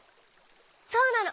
そうなの。